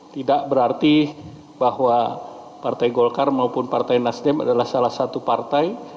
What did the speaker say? tidak berarti bahwa partai golkar maupun partai nasdem adalah salah satu partai